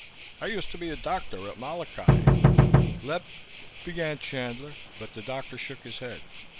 "I used to be a doctor at Molokai." "Lep " began Chandler, but the doctor shook his head.